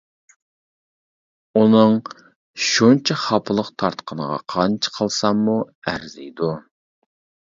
ئۇنىڭ شۇنچە خاپىلىق تارتقىنىغا قانچە قىلساممۇ ئەرزىيدۇ.